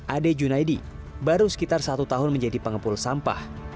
ade junaidi baru sekitar satu tahun menjadi pengepul sampah